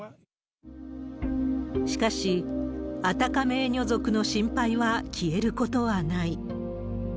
しかし、アタカメーニョ族の心配は消えることはない。